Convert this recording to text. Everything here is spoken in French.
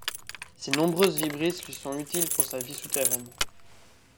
Ses nombreuses vibrisses lui sont utiles pour sa vie souterraine.